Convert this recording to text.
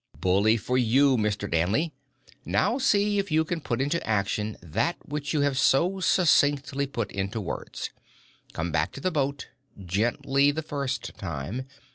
"Bully for you, Mr. Danley! Now see if you can put into action that which you have so succinctly put into words. Come back to the boat. Gently the first time.